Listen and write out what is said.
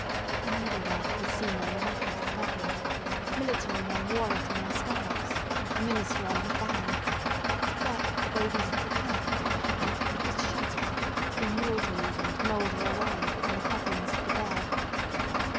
Her needle work was seen on the ruff of the Governor; military men wore it on their scarfs, and the minister on his band; it decked the baby's little cap; it was shut up, to be mildewed and moulder away, in the coffins of the dead.